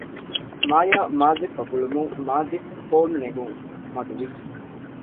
މާޔާ މާޒިފް އަށް ގުޅުމުން މާޒިފް ފޯނު ނެގުން މަދު ވި